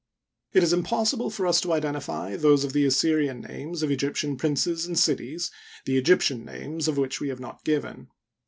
It is impossible for us to identify those of the Assyrian names of Egyptian princes and cities, the Egyptian names of which we have not given.